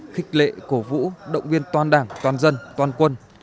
khích lệ cổ vũ động viên toàn đảng toàn dân toàn quân